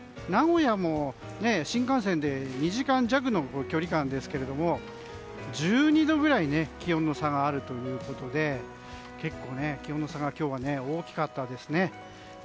名古屋も新幹線で２時間弱の距離感ですけれども１２度ぐらい気温の差があるということで結構、気温の差が今日は大きかったですね。